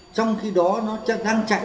trong khi đó nó đang chạy